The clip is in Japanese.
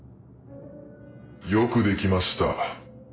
よくできました。